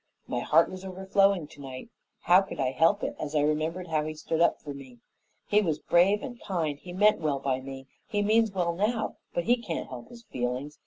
My heart was overflowing tonight. How could I help it, as I remembered how he stood up for me? He was brave and kind; he meant well by me, he means well now; but he can't help his feelings.